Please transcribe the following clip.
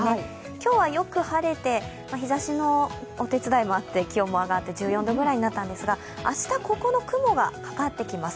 今日はよく晴れて日ざしのお手伝いもあって気温も上がって１４度ぐらいに上がったんですが明日ここの雲がかかってきます。